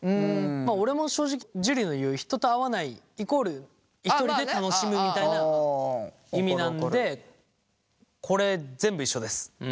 まあ俺も正直樹の言う人と会わないイコールひとりで楽しむみたいな意味なのでこれ全部一緒です。